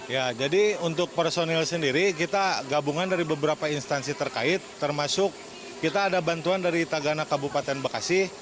ya jadi untuk personil sendiri kita gabungan dari beberapa instansi terkait termasuk kita ada bantuan dari tagana kabupaten bekasi